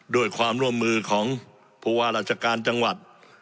ด้วยความร่วมมือของผู้ว่าราชการจังหวัด